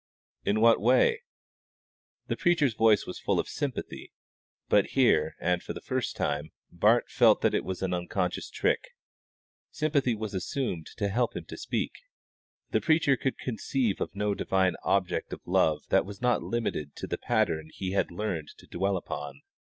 "In what way?" The preacher's voice was full of sympathy; but here, and for the first time, Bart felt it was an unconscious trick. Sympathy was assumed to help him to speak. The preacher could conceive of no divine object of love that was not limited to the pattern he had learned to dwell upon.